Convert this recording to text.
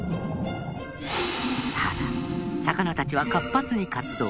ただ魚たちは活発に活動。